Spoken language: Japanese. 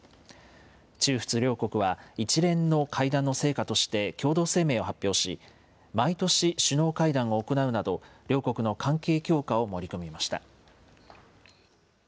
中仏両国は一連の会談の成果として共同声明を発表し、毎年首脳会談を行うなど、両国の関係強化を盛り込みました。